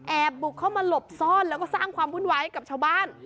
บุกเข้ามาหลบซ่อนแล้วก็สร้างความวุ่นวายกับชาวบ้าน